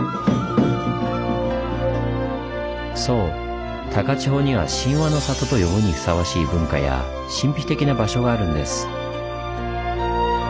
そう高千穂には「神話の里」と呼ぶにふさわしい文化や神秘的な場所があるんです。